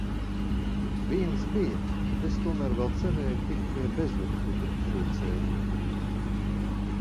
Viens bija, bet es tomēr vēl cerēju tikt pie bezvadu putekļusūcēja.